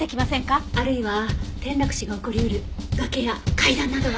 あるいは転落死が起こりうる崖や階段などは？